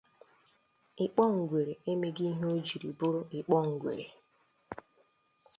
ịkpọ ngwere emeghị ihe o jiri bụrụ ịkpọ ngwere